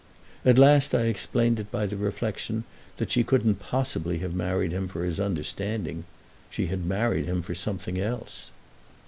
At last I explained it by the reflexion that she couldn't possibly have married him for his understanding. She had married him for something else.